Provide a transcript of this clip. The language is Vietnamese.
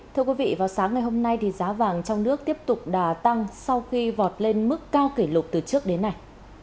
thưa quý vị vào sáng ngày hôm nay giá vàng trong nước tiếp tục đà tăng sau khi vọt lên mức cao kỷ lục từ trước đến nay